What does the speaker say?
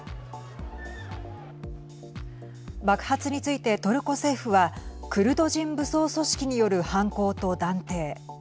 爆発についてトルコ政府はクルド人武装組織による犯行と断定。